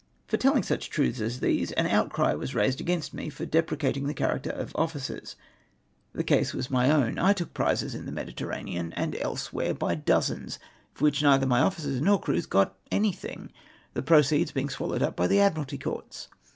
For telling such truths as these, an outcry was raised against me for depreciating the character of officers ! The case was my ow^n. I took prizes in the Mediter ranean and elsewhere by dozens, for which neither my officers nor crews got anything, the proceeds being swallowed up by the Admiralty Courts.